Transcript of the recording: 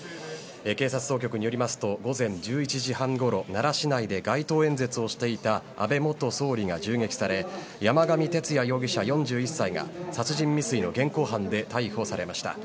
警察当局によりますと午前１１時半ごろ奈良市内で街頭演説をしていた安倍元総理が銃撃され山上徹也容疑者、４１歳が殺人未遂の現行犯で逮捕されました。